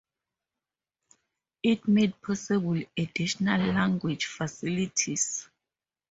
It made possible additional language facilities.